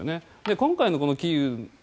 今回のキーウ